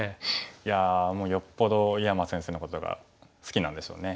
いやもうよっぽど井山先生のことが好きなんでしょうね。